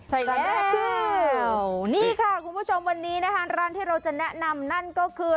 ใช่ค่ะนี่ค่ะคุณผู้ชมวันนี้นะคะร้านที่เราจะแนะนำนั่นก็คือ